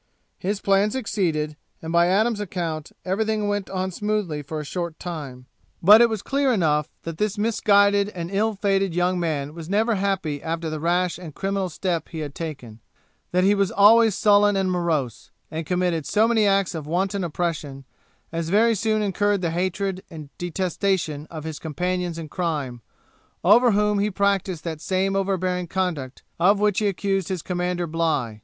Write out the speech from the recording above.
His plan succeeded, and by Adams's account, everything went on smoothly for a short time; but it was clear enough that this misguided and ill fated young man was never happy after the rash and criminal step he had taken; that he was always sullen and morose; and committed so many acts of wanton oppression, as very soon incurred the hatred and detestation of his companions in crime, over whom he practised that same overbearing conduct, of which he accused his commander Bligh.